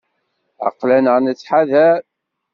Aql-aneɣ nettḥadar.